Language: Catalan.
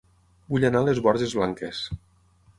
Vull anar a Les Borges Blanques